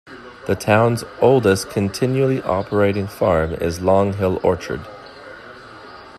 The town's oldest continually-operating farm is Long Hill Orchard.